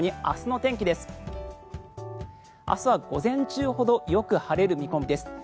明日は午前中ほどよく晴れる見込みです。